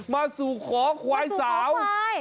มาสู่ขอควายสาว